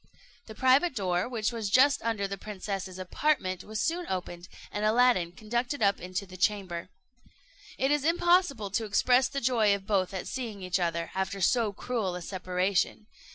The private door, which was just under the princess's apartment, was soon opened, and Aladdin conducted up into the chamber. It is impossible to express the joy of both at seeing each other, after so cruel a separation.